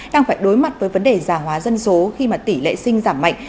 đang phải đối mặt với vấn đề giả hóa dân số khi tỷ lệ sinh giảm mạnh